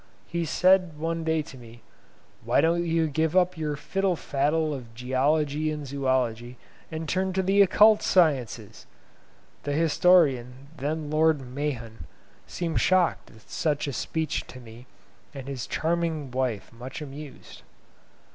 He said one day to me, "Why don't you give up your fiddle faddle of geology and zoology, and turn to the occult sciences!" The historian, then Lord Mahon, seemed shocked at such a speech to me, and his charming wife much amused.